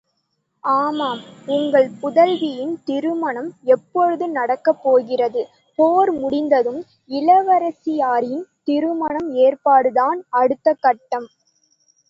ஆமாம், உங்கள் புதல்வியின் திருமணம் எப்போது நடக்கப் போகிறது?.... போர் முடிந்ததும், இளவரசியாரின் திருமண ஏற்பாடுதான் அடுத்த கட்டம்.